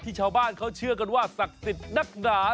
ชาวบ้านเขาเชื่อกันว่าศักดิ์สิทธิ์นักหนา